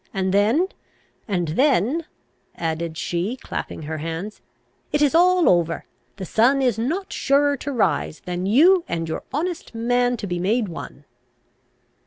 And then, and then," added she, clapping her hands, "it is all over. The sun is not surer to rise, than you and your honest man to be made one."